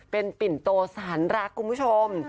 เป็นปิ่นโตสารรักคุณผู้ชม